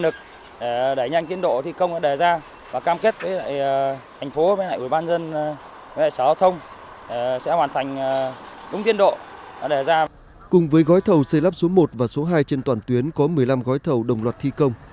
cùng với gói thầu xây lắp số một và số hai trên toàn tuyến có một mươi năm gói thầu đồng loạt thi công